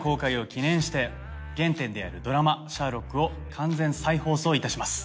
原点であるドラマ『シャーロック』を完全再放送いたします。